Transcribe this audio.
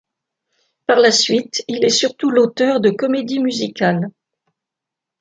Par la suite, il est surtout l'auteur de comédies musicales.